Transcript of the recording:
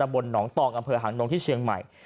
บนหนองตองอำเภอหางนงที่เชียงใหม่